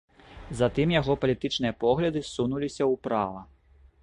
Затым яго палітычныя погляды ссунуліся ўправа.